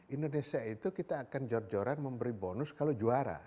indonesia itu kita akan jor joran memberi bonus kalau juara